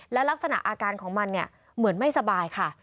และลักษณะอาการของมันเนี่ยเหมือนไม่สบายค่ะ